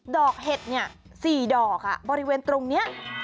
ดอกเห็ดเนี่ย๔ดอกบริเวณตรงนี้